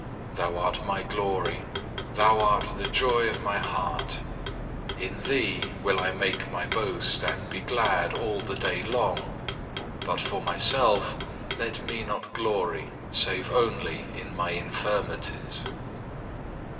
Thou art my glory, Thou art the joy of my heart. In Thee will I make my boast and be glad all the day long, but for myself let me not glory save only in my infirmities.